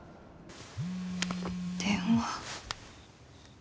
電話。